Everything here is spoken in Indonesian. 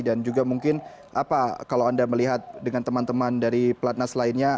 dan juga mungkin apa kalau anda melihat dengan teman teman dari pelat nas lainnya